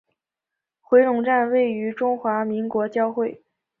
回龙站位于中华民国交会。